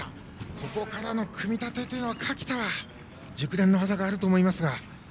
ここからの組み立ては垣田は熟練の技があると思いますが。